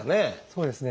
そうですね。